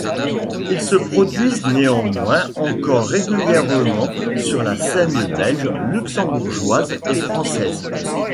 Ils se produisent néanmoins encore régulièrement sur la scène belge, luxembourgeoise et française.